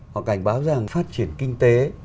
họ cảnh báo rằng phát triển kinh tế